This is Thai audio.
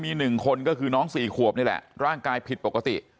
มี๑คนก็คือน้อง๔ขวบนี่แหละร่างกายผิดปกติ